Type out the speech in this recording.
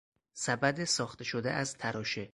سبد ساخته شده از تراشه